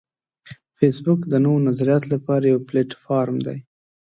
فېسبوک د نوو نظریاتو لپاره یو پلیټ فارم دی